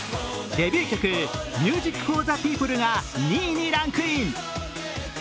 デビュー曲「ＭＵＳＩＣＦＯＲＴＨＥＰＥＯＰＬＥ」が２位にランクイン。